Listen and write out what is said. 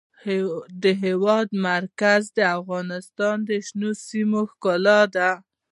د هېواد مرکز د افغانستان د شنو سیمو ښکلا ده.